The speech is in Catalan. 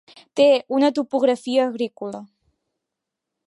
Té una topografia agrícola.